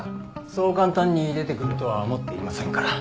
そう簡単に出てくるとは思っていませんから。